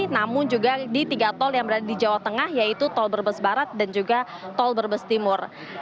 namun juga di tiga tol yang berada di jawa tengah yaitu tol brebes barat dan juga tol brebes timur